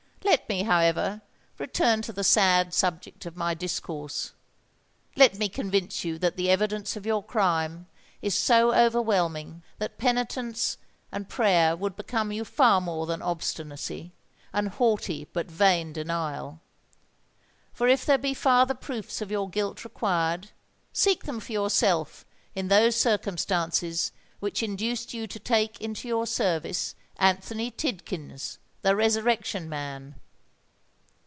Let me, however, return to the sad subject of my discourse: let me convince you that the evidence of your crime is so overwhelming that penitence and prayer would become you far more than obstinacy, and haughty but vain denial! For if there be farther proofs of your guilt required, seek them for yourself in those circumstances which induced you to take into your service Anthony Tidkins, the Resurrection Man!"